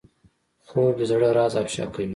خوب د زړه راز افشا کوي